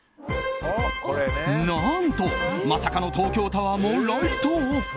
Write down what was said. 何とまさかの東京タワーもライトオフ。